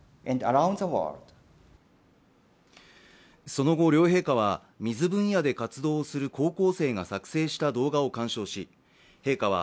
その後、両陛下は水分野で活動する高校生が作成した動画を観賞し、陛下は